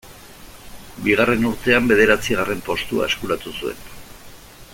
Bigarren urtean bederatzigarren postua eskuratu zuen.